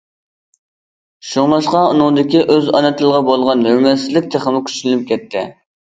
شۇڭلاشقا ئۇنىڭدىكى ئۆز ئانا تىلىغا بولغان ھۆرمەتسىزلىك تېخىمۇ كۈچلىنىپ كەتتى.